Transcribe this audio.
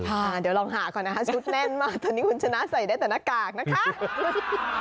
ค่ะเดี๋ยวลองหาก่อนนะคะชุดแน่นมากตอนนี้คุณชนะใส่ได้แต่หน้ากากนะคะ